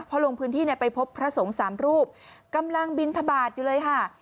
เพราะลงพื้นที่ไปพบพระสงสามรูปกำลังบินทบาทอยู่เลยฮะ